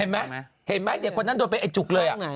เห็นไหมเด็กคนนั้นโดนไปไอ้จุกเลย